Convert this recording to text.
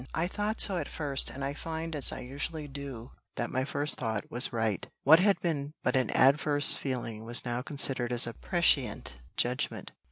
"I thought so at first, and I find, as I usually do, that my first thought was right." What had been but an adverse feeling was now considered as a prescient judgment.